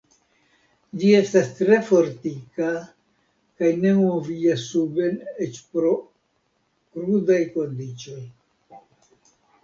Ĝi estas tre fortika kaj ne moviĝas suben eĉ pro krudaj kondiĉoj.